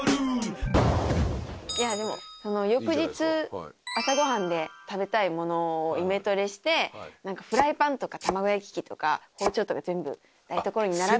翌日朝ご飯で食べたいものをイメトレしてなんかフライパンとか卵焼き器とか包丁とか全部台所に並べて。